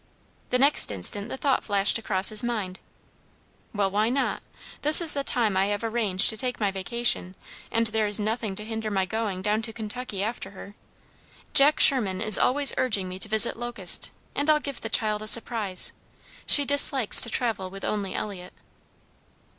The next instant the thought flashed across his mind, "Well, why not? This is the time I have arranged to take my vacation, and there is nothing to hinder my going down to Kentucky after her. Jack Sherman is always urging me to visit Locust, and I'll give the child a surprise. She dislikes to travel with only Eliot."